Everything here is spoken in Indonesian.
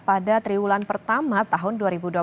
pada triwulan pertama tahun dua ribu dua puluh satu